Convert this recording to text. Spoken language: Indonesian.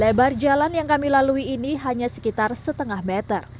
lebar jalan yang kami lalui ini hanya sekitar setengah meter